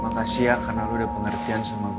makasih ya karena lo udah pengertian sama